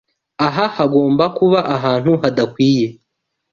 Aha hagomba kuba ahantu hadakwiye.